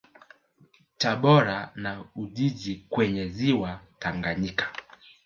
Tabora na Ujiji kwenye Ziwa Tanganyika